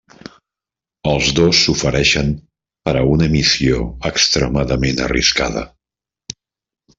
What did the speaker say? Els dos s'ofereixen per a una missió extremadament arriscada.